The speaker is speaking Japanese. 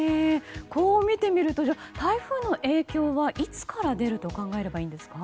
こう見てみると台風の影響はいつから出ると考えればいいんですか？